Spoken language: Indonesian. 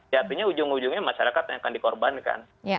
jadinya ujung ujungnya masyarakat yang akan dikorbankan